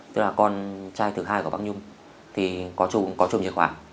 tức là con trai thứ hai của bác nhung thì có trùm chìa khóa